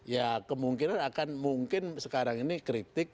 ya kemungkinan akan mungkin sekarang ini kritik